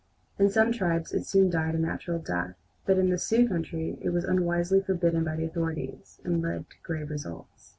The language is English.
In some tribes it soon died a natural death, but in the Sioux country it was unwisely forbidden by the authorities, and led to grave results.